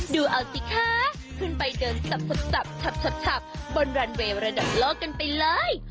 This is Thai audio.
ดูเอาสิคะขึ้นไปเดินสับบนรันเวย์ระดับโลกกันไปเลย